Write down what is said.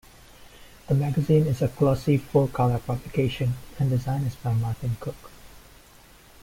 The magazine is a glossy full colour publication, and design is by Martin Cook.